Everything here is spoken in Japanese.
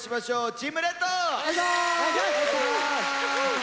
チームレッド。